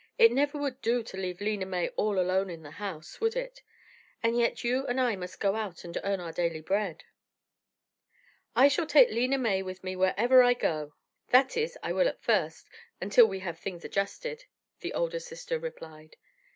It never would do to leave Lena May all alone in the house, would it? And yet you and I must go out and earn our daily bread." "I shall take Lena May with me wherever I go; that is, I will at first, until we have things adjusted," the older sister replied.